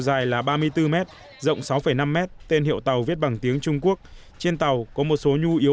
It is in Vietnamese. dài là ba mươi bốn m rộng sáu năm m tên hiệu tàu viết bằng tiếng trung quốc trên tàu có một số nhu yếu